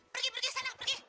pergi pergi senang pergi